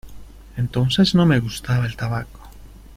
Entonces no me gustaba el tabaco.